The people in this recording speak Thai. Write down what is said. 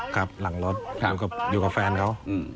ครับหลังรถอยู่กับแฟนเขา